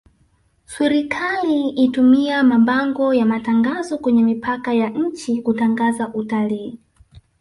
swrikali itumia mabango ya matangazo kwenye mipaka ya nchi kutangaza utalii